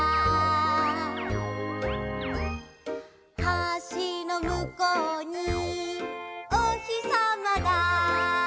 「橋のむこうにおひさまだ」